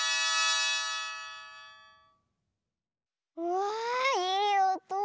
わあいいおと。